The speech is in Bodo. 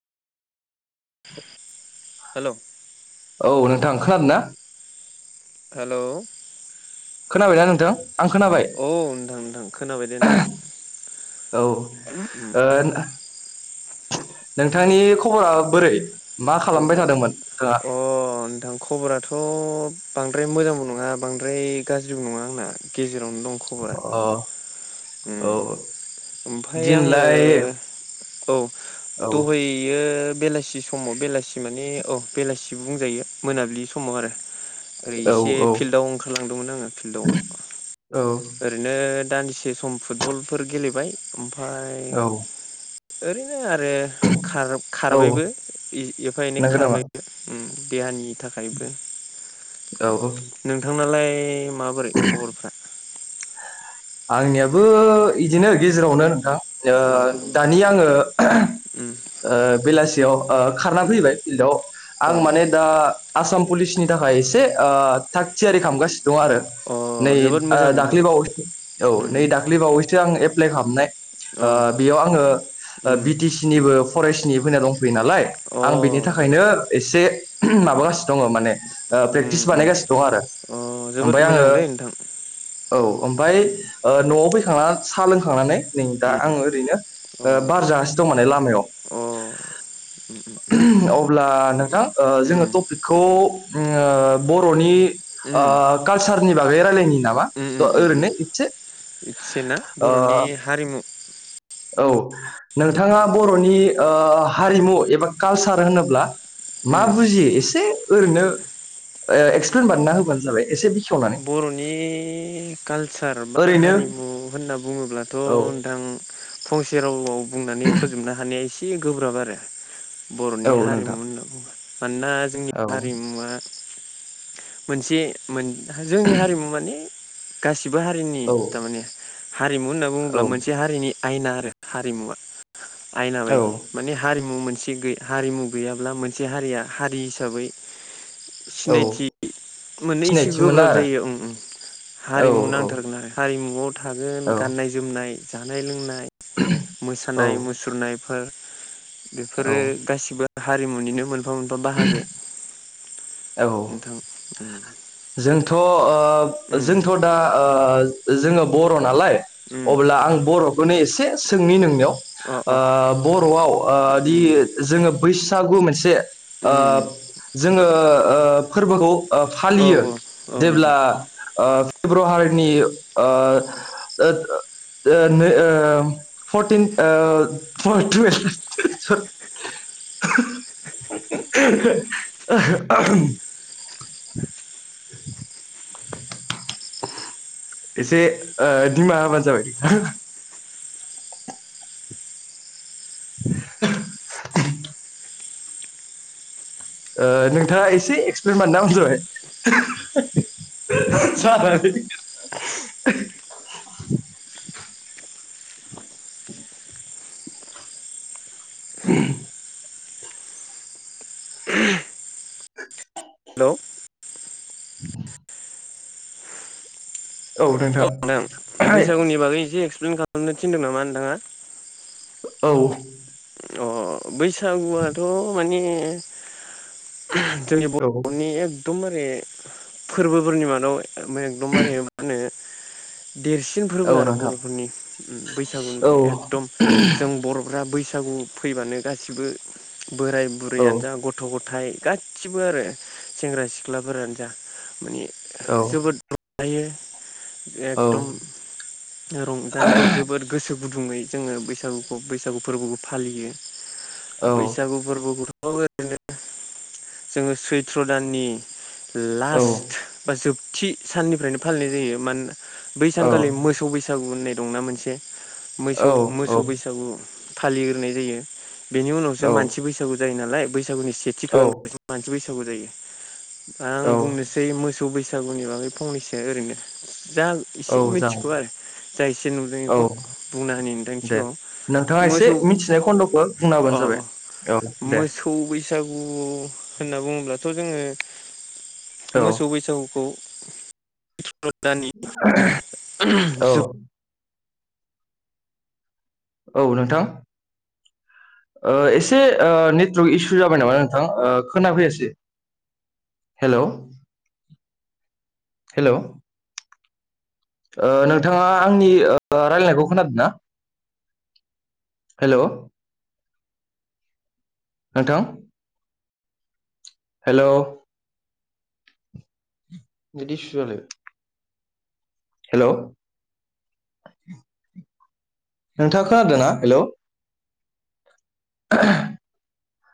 हेलौ औ नोंथां खोनादों ना? हेलौ खोनाबाना नोंथां आं खोनाबाय औ नोंथां नोंथां खोनाबाय दे नोंथां। औ ओ उम नोंथांनि खबरा बोरै मा खालामबाय खबर थादोंमोन नोंथाङा अ' नोंथां खबराथ' बांद्राय मोजांबो न नङा बांद्राय गाज्रिबो नङा आंना गेजेरावनो दं खबरा। अ औ उम ओमफ्राय आङो। दिनलाय औ औ दहैयो। बेलासि समाव बेलासि माने अ बेलासि बुंजायो मोनाबिलि समाव आरो। ओरै औ इसे औ फिल्डआव ओंखारलांदोंमोन आङो फिल्डआव औ ओरैनो। दान्दिसे सम फुटबलफोर गेलेबाय ओमफाय औ ओरैनो ओ आरो खार औ खारबायबो एफा एनै नंगौ नामा खारबायबो ओम देहानि थाखायबो औ नोंथांनालाय माबोरै खबरफ्रा आंनियाबो इदिनो गेजेरावनो नोंथां। अ ओ दानि आङो उम ओ बेलासि देयाव ओ खारना फैबाय फिल्डआव अ आं माने दा आसाम पुलिसनि थाखाय एसे ओ थागथियारि खालामामगासिनो। दं आरो नै अ जोबोद ओ मोजां नोंथां दाख्लिबावैसो उम औ नै उम दाख्लि बावैसो आं एप्लाइ खालामनाय अ ओ बेयाव आङो उम बि टि सि निबो फरेस्नि फैना दं। बि नालाय अ आं बिनि थाखायनो एसे माबागासिनो दङ माने ओ प्रेक्टिस उम उम बानायगासिनो दं आरो अ जोबोद ओमफ्राय आङो मोजां दै नोंथां औ ओमफाय। उम ओ न'आव फैखांना साहा लोंखांनानै नै दा उम आङो ओरैनो अ ओ बार जागासिनो दं माने लामायाव। अ उम अब्ला नोंथां ओ जोङो उम टपिकखौ ओ बर'नि ओ उम कालसारनि बागै रायलायनि नामा। द उम उम उम ओरैनो इसे। इसे ना बर'नि हारिमु। औ नोंथाङा बर'नि ओ हारिमु एबा कालसार होनोब्ला। मा उम बुजियो एसे ओरैनो ओ एक्सप्लेन बानायना होबानो जाबाय एसे। बेखेवनानै बर'नि कालचार बा ओरैनो हारिमु होनना बुङोब्लाथ' औ नोंथां। फंसे रावआव बुंनानै फोजोबनो हानाया एसे गोब्राब आरो। औ बर'नि हारिमु नोंथां होनना बुङो मानोना जोंनि औ हारिमुवा। मोनसे मोन जोंनि हारिमु माने गासिबो। बो हारिनि औ थारमाने हारिमु होनना औ बुङोब्ला मोनसे हारिनि आयना आरो हारिमुवा। आयना औ बायदि माने हारि। मुं मोनसे गो हारिमु गैयाब्ला मोनसे हारिया हारि हिसाबै। औ सिनायथि। मोननो एसे सिनायथि मोना गोब्राब जायो ओम ओम आरो हारिमु औ नांथारगोन आरो हारिमुवआव। थागोन गाननाय जोमनाय जानाय लोंनाय। औ मोसानाय मुसुरनायफोर औ बेफोरो गासिबो हारिमुनिनो मोन। मोनफा मोनफा बाहागो औ नोंथां। जोंथ' ओ उम जोंथ' दा ओ जोङो बर'। नालाय उम अब्ला आं बर'खौनो एसे सोंनि नोंनियाव। अ ओ अ बर'आव ओ दि उम जोङो बैसागु मोनसे। ओ उम उम जोङो ओ फोरबोखौ ओ औ फालियो। औ नोंथां जेब्ला ओ फेब्रुवारिनि ओ ओ। ओ नै ओ फरटिन ओ फरटुेलभ [unintelligible] [inaudible] [inaudible] एसे ओ दिमाबानो जाबाय। [unintelligible] नोंथाङा एसे एक्सप्लेन बानायना होबानो जाबाय जालालै स अ आ हेलौ औ नोंथां बैसागुनि बागै एसे एक्सप्लेन खालामनो थिनदों नामा नोंथाङा औ अ बैसागुआथ' माने जोंनि औ बर'नि एकदमबारे फोरबोफोरनि मादाव एकदमबारे मा होनो देरसिन फोरबो औ आरो नोंथां बर'फोरनि बैसागु औ होनबाने एकदम जों बर'फ्रा बैसागु बैसागु फैबानो गासिबो बोराय औ बुरैयानो जा गथ' गथ' गथाय गासिबो आरो सेंग्रा सिख्लाफोरानो जा माने औ जोबोद दायो औ एकदम रंजानाय जोबोद गोसो गुदुङै जोङो बैसागुखौ बैसागु फोरबोखौ फालियो औ बैसागु फोरबोखौथ' ओरैनो जोङो सैथ्र' दाननि औ लास्ट बा जोबथि साननिफ्रायनो फालिनाय जायो मानोना बै सानखालि मोसौ बैसागु होननाय दंना मोनसे मोसौ मोसौ बैसागु फालिग्रोनाय जायो बेनि उनावसो मानसि बैसागु जायो नालाय बैसागुनि सेथि औ खालाम मानसि बैसागु बैसागु जायो आं बुंनोसै मोसौ बैसागुनि बागै फंनैसो ओरैनो जा एसे औ मिथिगौ जागोन आरो जा इसे नुदों औ बेखौ बुंनानै होनि नोंथांनि सिगां आव बे मिथिनाय खन्द'खौ बुंना होबानो जाबाय। औ दे मोसौ बैसागु होनना बुङोब्लाथ' जोङो औ मोसौ बैसागुखौ आ जोब औ नोंथां ओ एसे नेटवर्क इसु जाबाय नामा नोंथां ओ खोनाफैयासै। हेल' हेल' ओ नोंथाङा आंनि ओ रायलायनायखौ खोनादों ना? हेल' नोंथां हेल' नेटइसु जालायबाय हेल' नोंथांआ खोनादोना? हेलौ आ